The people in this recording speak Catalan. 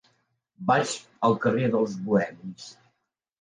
Vaig al carrer dels Bohemis.